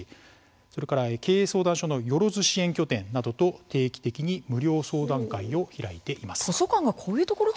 それから経営相談所のよろず支援拠点などと定期的に無料相談会などを開いています。